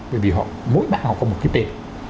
bởi vì mỗi mạng họ có một cái tên